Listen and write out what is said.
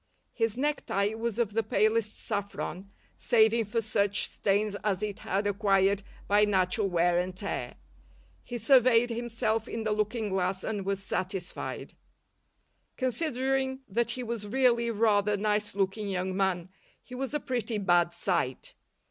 His necktie was of the palest saffron, saving for such stains as it had acquired by natural wear and tear. He surveyed himself in the looking glass and was satisfied. Considering that he was really rather a nice looking young man, he was a pretty bad sight.